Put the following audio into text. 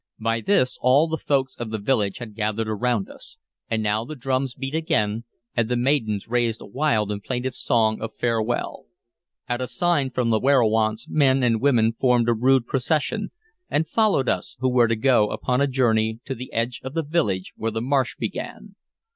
By this all the folk of the village had gathered around us; and now the drums beat again, and the maidens raised a wild and plaintive song of farewell. At a sign from the werowance men and women formed a rude procession, and followed us, who were to go upon a journey, to the edge of the village where the marsh began.